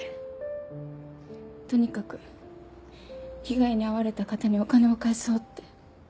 とにかく被害に遭われた方にお金を返そうって。